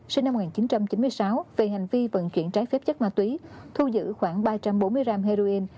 sinh năm một nghìn chín trăm chín mươi sáu về hành vi vận chuyển trái phép chất ma túy thu giữ khoảng ba trăm bốn mươi gram heroin